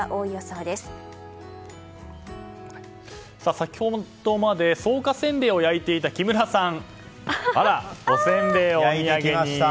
先ほどまで草加せんべいを焼いていたおせんべいを持ってきました！